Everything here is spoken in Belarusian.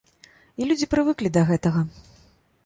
І людзі прывыклі да гэтага.